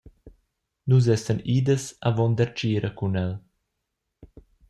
Nus essan idas avon dertgira cun el.